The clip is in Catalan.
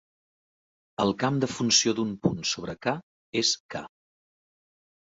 El camp de funció d'un punt sobre "K" és "K".